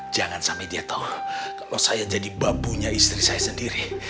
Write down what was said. jangan sampai dia tahu kalau saya jadi babunya istri saya sendiri